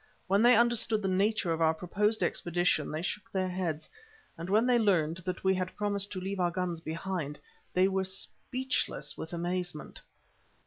When they understood the nature of our proposed expedition they shook their heads, and when they learned that we had promised to leave our guns behind us, they were speechless with amazement.